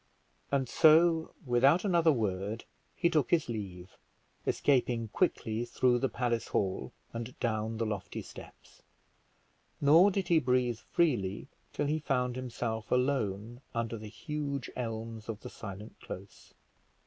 And so without another word he took his leave, escaping quickly through the palace hall, and down the lofty steps; nor did he breathe freely till he found himself alone under the huge elms of the silent close.